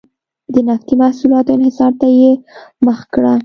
د نفتي محصولاتو انحصار ته یې مخه کړه.